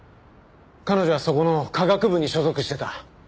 彼女はそこの化学部に所属してた。